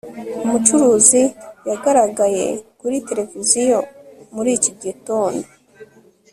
umucuruzi yagaragaye kuri tereviziyo muri iki gitondo